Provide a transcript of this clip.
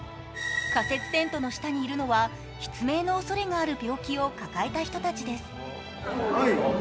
仮設テントの下にいるのは失明のおそれのある病気を抱えた人たちです。